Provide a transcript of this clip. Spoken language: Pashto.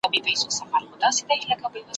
له لګېدلو سره توپیر وسي ,